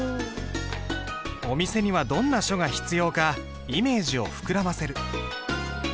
お店にはどんな書が必要かイメージを膨らませる。